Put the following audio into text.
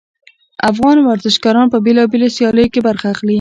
افغان ورزشګران په بیلابیلو سیالیو کې برخه اخلي